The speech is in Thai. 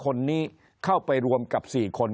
คนในวงการสื่อ๓๐องค์กร